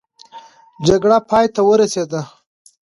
جګړه پای ته ورسېده.